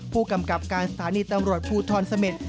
ผู้กำกับการสถานีตำรวจภูทรเสม็ด